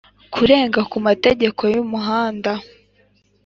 kurenga ku mategeko y umuhanda